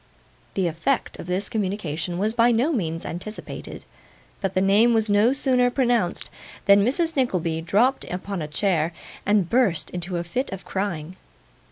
The effect of this communication was by no means anticipated; but the name was no sooner pronounced, than Mrs. Nickleby dropped upon a chair, and burst into a fit of crying.